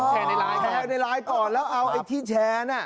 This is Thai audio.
แชร์ในไลน์ก่อนแล้วเอาไอ้ที่แชร์